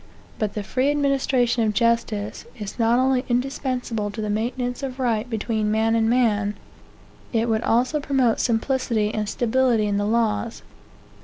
But the free administration of justice is not only indispensable to the maintenance of right between man and man; it would also promote simplicity and stability in the laws.